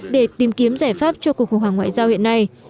để tìm kiếm giải pháp cho cuộc khủng hoảng ngoại giao hiện nay